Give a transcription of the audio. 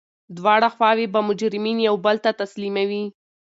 دواړه خواوي به مجرمین یو بل ته تسلیموي.